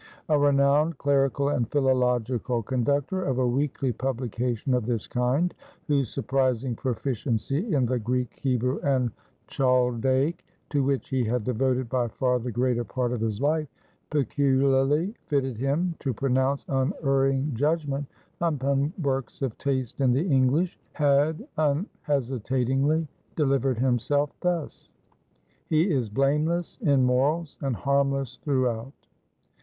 A renowned clerical and philological conductor of a weekly publication of this kind, whose surprising proficiency in the Greek, Hebrew, and Chaldaic, to which he had devoted by far the greater part of his life, peculiarly fitted him to pronounce unerring judgment upon works of taste in the English, had unhesitatingly delivered himself thus: "He is blameless in morals, and harmless throughout."